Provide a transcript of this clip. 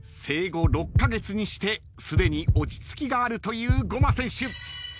生後６カ月にしてすでに落ち着きがあるというごま選手。